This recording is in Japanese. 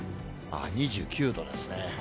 ２９度ですね。